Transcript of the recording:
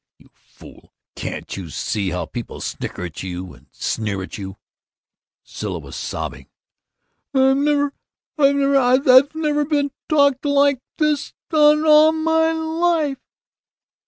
You fool, can't you see how people snicker at you, and sneer at you?" Zilla was sobbing, "I've never I've never nobody ever talked to me like this in all my life!"